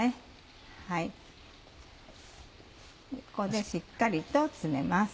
ここでしっかりと詰めます。